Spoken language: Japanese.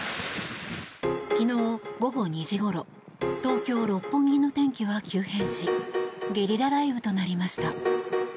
昨日、午後２時ごろ東京・六本木の天気は急変しゲリラ雷雨となりました。